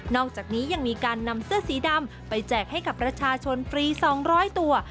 อกจากนี้ยังมีการนำเสื้อสีดำไปแจกให้กับประชาชนฟรี๒๐๐ตัว